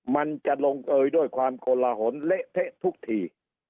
มันจะลงเอยด้วยความโกลหนเละเทะทุกที